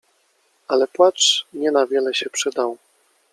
Ale płacz nie na wiele się przydał.